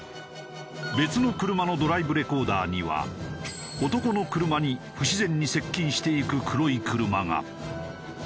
別の車のドライブレコーダーには男の車に不自然に接近していく黒い車が。